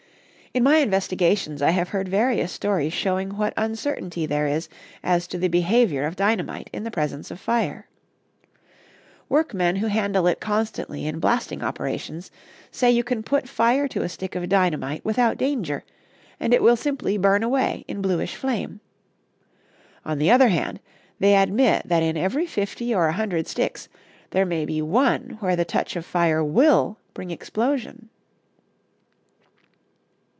In my investigations I have heard various stories showing what uncertainty there is as to the behavior of dynamite in the presence of fire. Workmen who handle it constantly in blasting operations say you can put fire to a stick of dynamite without danger, and it will simply burn away in bluish flame. On the other hand, they admit that in every fifty or a hundred sticks there may be one where the touch of fire will bring explosion.